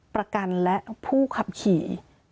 ประกันและผู้ขับขี่